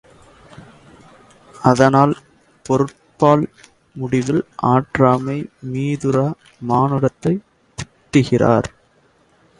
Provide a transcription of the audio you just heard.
அதனால் பொருட்பால் முடிவில் ஆற்றாமை மீதூர மானுடத்தைத் திட்டுகிறார்.